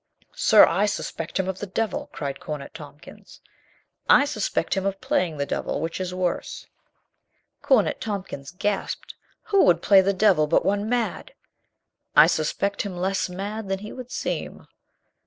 "Sir, I suspect him of the devil!" cried Cornet Tompkins. "I suspect him of playing the devil, which is worse." 84 COLONEL GREATHEART Cornet Tompkins gasped. "Who would play the devil but one mad?" "I suspect him less mad than he would seem."